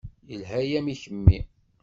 Yelha-yam i kemmi.